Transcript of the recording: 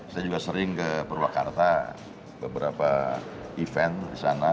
saya juga sering ke purwakarta beberapa event di sana